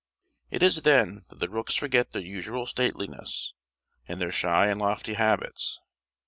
It is then that the rooks forget their usual stateliness, and their shy and lofty habits.